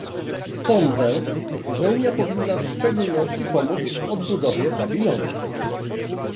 Sądzę, że Unia powinna w szczególności pomóc w odbudowie Babilonu